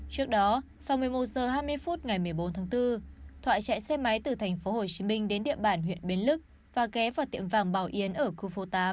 trước đó vào một mươi một h hai mươi phút ngày một mươi bốn tháng bốn thoại chạy xe máy từ thành phố hồ chí minh đến địa bản huyện bến lức và ghé vào tiệm vàng bảo yến ở khu phố tám